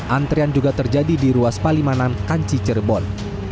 antrian juga terjadi di ruas palimanan kanci cirebon